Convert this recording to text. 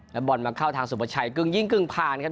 แล้วบอลมาเข้าทางสุประชัยกึ่งยิงกึ่งผ่านครับ